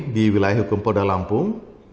di wilayah hukum polda lampung